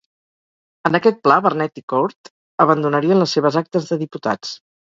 En aquest pla, Barnett i Court abandonarien les seves actes de diputats.